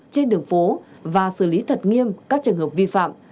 trên đường phố và xử lý thật nghiêm các trường hợp vi phạm